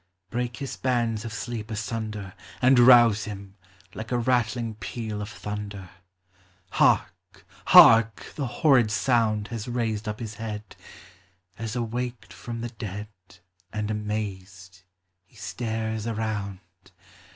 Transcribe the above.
Break his bands of sleep asunder, And rouse him, like a rattling peal of thunder. Hark, hark, tin* horrid sound Has raised up his head ; As awaked from the dead, And amazed, he stares around.